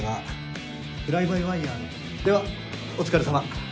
ではお疲れさま。